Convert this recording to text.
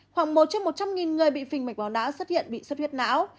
khoảng một trong một trăm linh người bị phình mạch máu não xuất hiện bị xuất huyết não